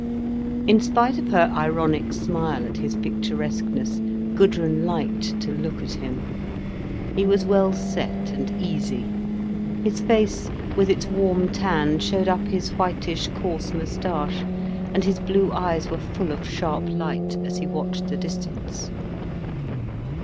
In spite of her ironic smile at his picturesqueness, Gudrun liked to look at him. He was well set and easy, his face with its warm tan showed up his whitish, coarse moustache, and his blue eyes were full of sharp light as he watched the distance.